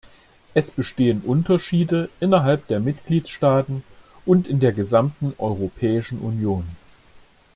Es bestehen Unterschiede innerhalb der Mitgliedstaaten und in der gesamten Europäischen Union.